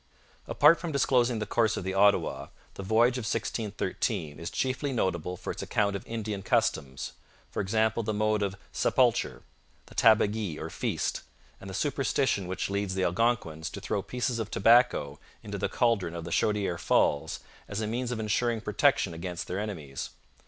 Apart from disclosing the course of the Ottawa, the Voyage of 1613 is chiefly notable for its account of Indian customs for example, the mode of sepulture, the tabagie or feast, and the superstition which leads the Algonquins to throw pieces of tobacco into the cauldron of the Chaudiere Falls as a means of ensuring protection against their enemies.